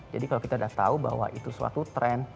jadi kalau kita udah tahu bahwa itu suatu tren